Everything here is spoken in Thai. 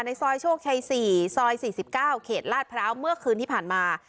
ในซอยโชคชัยสี่ซอยสี่สิบเก้าเขตลาดพร้าวเมื่อคืนที่ผ่านมา